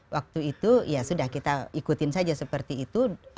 waktu itu ya sudah kita ikutin saja seperti itu